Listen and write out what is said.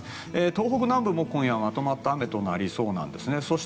東北南部も今夜まとまった雨となりそうです。